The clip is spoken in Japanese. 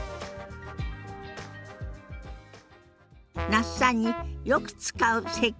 那須さんによく使う接客